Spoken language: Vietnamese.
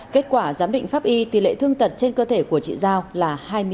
kết quả giám định pháp y tỷ lệ thương tật trên cơ thể của chị giao là hai mươi sáu